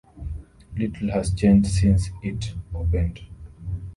Little has changed since it opened.